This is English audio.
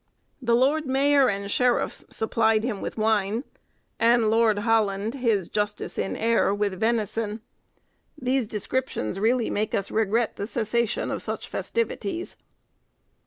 The lord mayor and sheriffs supplied him with wine, and Lord Holland, his justice in Eyre, with venison. These descriptions really make us regret the cessation of such festivities.